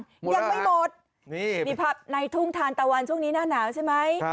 ยังไม่หมดนี่มีภาพในทุ่งทานตะวันช่วงนี้หน้าหนาวใช่ไหม